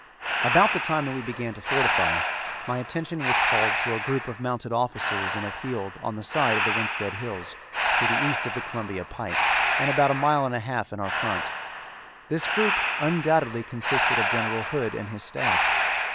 About the time that we began to fortify, my attention was called to a group of mounted officers in a field on the side of the Winsted Hills, to the east of the Columbia Pike, and about a mile and a half in our front. This group undoubtedly consisted of General Hood and his staff.